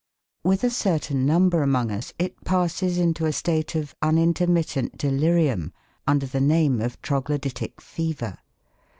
With a certain number among us it passes into a state of unintermittent delirium under the name of Troglodytic fever.